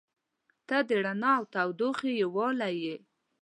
• ته د رڼا او تودوخې یووالی یې.